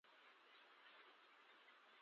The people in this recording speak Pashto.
د لوست اصلي پیغام باید زده کړو.